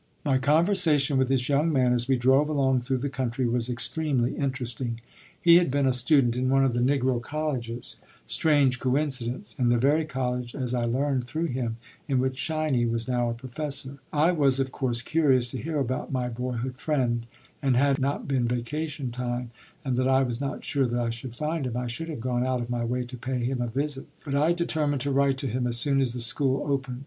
My conversation with this young man as we drove along through the country was extremely interesting. He had been a student in one of the Negro colleges strange coincidence, in the very college, as I learned through him, in which "Shiny" was now a professor. I was, of course, curious to hear about my boyhood friend; and had it not been vacation time, and that I was not sure that I should find him, I should have gone out of my way to pay him a visit; but I determined to write to him as soon as the school opened.